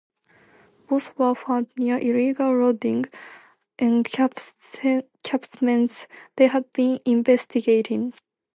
Both were found near illegal logging encampments they had been investigating.